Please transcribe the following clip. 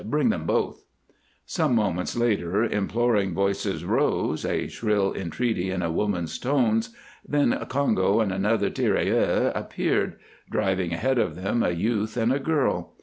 Bring them both." Some moments later imploring voices rose, a shrill entreaty in a woman's tones, then Congo and another tirailleur appeared; driving ahead of them a youth and a girl.